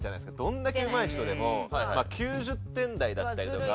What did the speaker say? どんだけうまい人でも９０点台だったりとか。